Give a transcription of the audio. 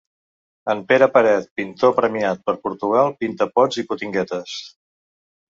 En Pere Peret, pintor, premiat per Portugal, pinta pots i potinguetes.